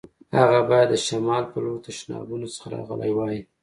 هغه باید د شمال په لور تشنابونو څخه راغلی وای.